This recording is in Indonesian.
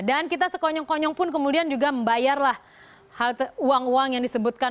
dan kita sekonyong konyong pun kemudian juga membayarlah uang uang yang disebutkan